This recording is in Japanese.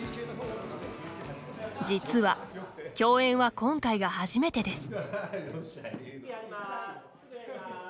実は、共演は今回が初めてです。